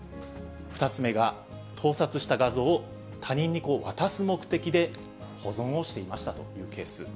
２つ目が、盗撮した画像を他人に渡す目的で保存をしていましたというケース。